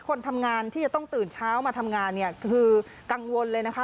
คนทำงานที่จะต้องตื่นเช้ามาทำงานเนี่ยคือกังวลเลยนะคะ